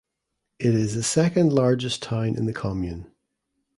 It is the second largest town in the commune.